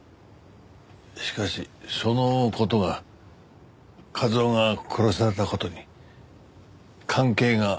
しかしその事が一雄が殺された事に関係があるんでしょうか？